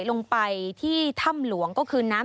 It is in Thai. สวัสดีค่ะสวัสดีค่ะ